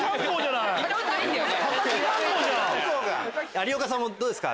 有岡さんもどうですか？